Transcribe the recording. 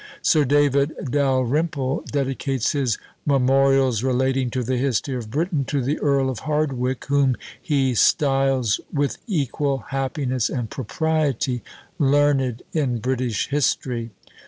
Sir David Dalrymple dedicates his "Memorials relating to the History of Britain" to the Earl of Hardwicke, whom he styles, with equal happiness and propriety, "Learned in British History."